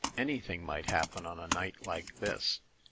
Anything might happen on a night like this!"